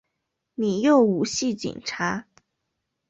你又唔系警察！